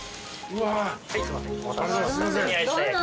うわ！